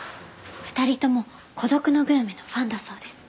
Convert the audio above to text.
２人とも『孤独のグルメ』のファンだそうです。